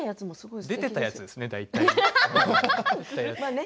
出てたやつですね大体。